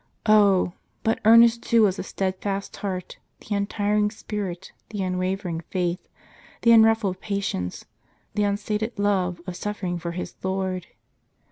Oh! but earnest too was the steadfast heart, the untiring spirit, the unwavering faith, the unruffled jiatience, the unsated love of suffering for his Lord.